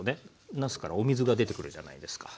なすからお水が出てくるじゃないですか。